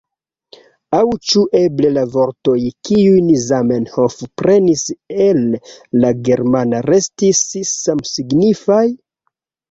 Aŭ ĉu eble la vortoj kiujn Zamenhof prenis el la germana restis samsignifaj?